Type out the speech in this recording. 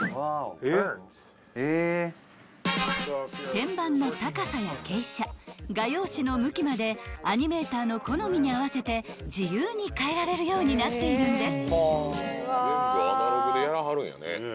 ［天板の高さや傾斜画用紙の向きまでアニメーターの好みに合わせて自由に変えられるようになっているんです］